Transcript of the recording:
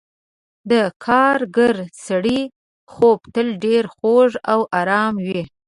د کارګر سړي خوب تل ډېر خوږ او آرام وي.